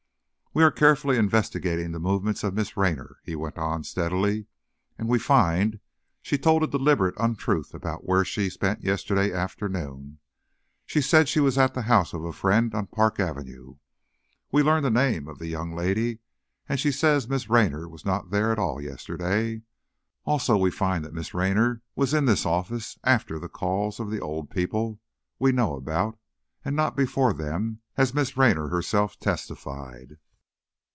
"We are carefully investigating the movements of Miss Raynor," he went on, steadily, "and we find she told a deliberate untruth about where she spent yesterday afternoon. She said she was at the house of a friend on Park Avenue. We learned the name of the young lady and she says Miss Raynor was not there at all yesterday. Also, we find that Miss Raynor was in this office after the calls of the old people we know about, and not before them, as Miss Raynor herself testified."